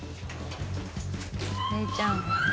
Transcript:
怜ちゃん。